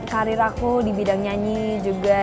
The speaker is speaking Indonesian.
karir aku di bidang nyanyi juga